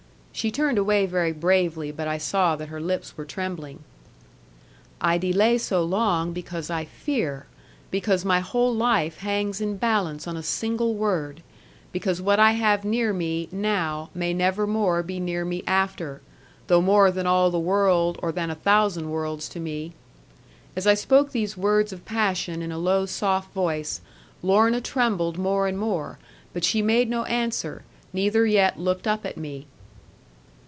She turned away very bravely, but I saw that her lips were trembling. 'I delay so long, because I fear; because my whole life hangs in balance on a single word; because what I have near me now may never more be near me after, though more than all the world, or than a thousand worlds, to me.' As I spoke these words of passion in a low soft voice, Lorna trembled more and more; but she made no answer, neither yet looked up at me.